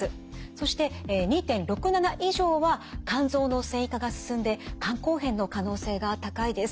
そして２．６７以上は肝臓の線維化が進んで肝硬変の可能性が高いです。